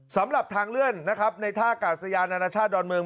สำหรับทางเลื่อนนะครับในท่ากาศยานานาชาติดอนเมือง